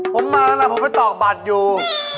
ผมมาแล้วผมมันเตรียมปรับบัตรอยู่